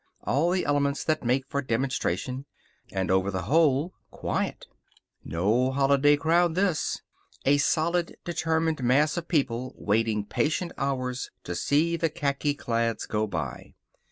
All the elements that make for demonstration. And over the whole quiet. No holiday crowd, this. A solid, determined mass of people waiting patient hours to see the khaki clads go by.